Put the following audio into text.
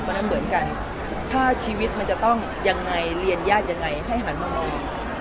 เพราะฉะนั้นเหมือนกันถ้าชีวิตมันจะต้องยังไงเรียนญาติยังไงให้หันมามอง